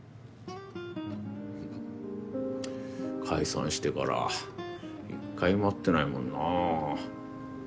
解散してから１回も会ってないもんなぁ。